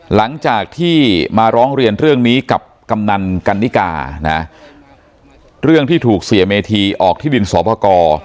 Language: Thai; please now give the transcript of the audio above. หลังจากที่มาร้องเรียนเรื่องนี้กับกำนันกันนิกานะเรื่องที่ถูกเสียเมธีออกที่ดินสอบประกอบ